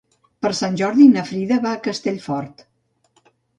Per Sant Jordi na Frida va a Castellfort.